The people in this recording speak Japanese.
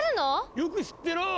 よく知ってらあ。